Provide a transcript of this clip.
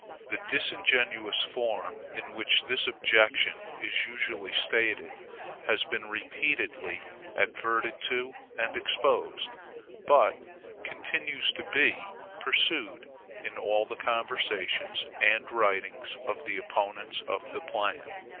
The disingenuous form in which this objection is usually stated has been repeatedly adverted to and exposed, but continues to be pursued in all the conversations and writings of the opponents of the plan.